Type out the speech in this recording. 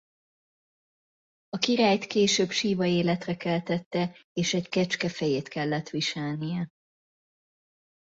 A királyt később Siva életre keltette és egy kecske fejét kellett viselnie.